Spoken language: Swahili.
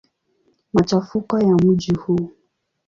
Machafuko ya mji huu.